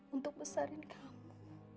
untuk besarin kamu